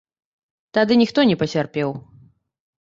Тады ніхто не пацярпеў.